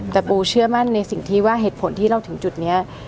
แต่ปูเชื่อมั่นในสิ่งที่ว่าเหตุผลที่เราถึงจุดนี้